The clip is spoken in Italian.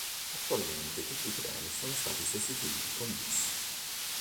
Attualmente tutti i treni sono stati sostituiti con bus.